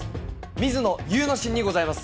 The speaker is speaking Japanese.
水野祐之進にございます。